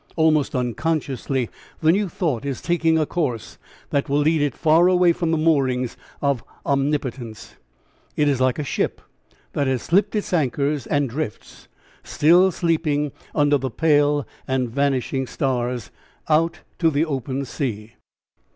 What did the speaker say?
Almost unconsciously the new thought is taking a course that will lead it far away from the moorings of Omnipotence. It is like a ship that has slipped its anchors and drifts, still sleeping, under the pale and vanishing stars, out to the open sea.